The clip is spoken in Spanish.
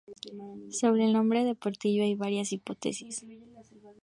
Sobre el nombre de Portillo hay varias hipótesis.